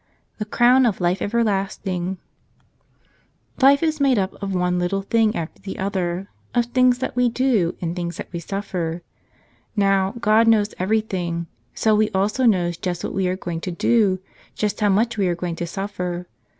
Cf )e Croton of 3Ufe everlasting LIFE is made up of one little thing after the other, of things that we do and things that we f suffer. Now, God knows everything; so He also knows just what we are going to do, just how much we are going to suffer.